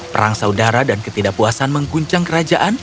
perang saudara dan ketidakpuasan mengguncang kerajaan